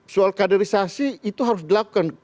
soal kaderisasi itu harus dilakukan